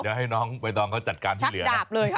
เดี๋ยวให้น้องใบตองเขาจัดการที่เหลือนะ